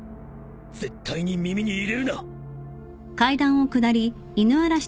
絶対に耳に入れるな。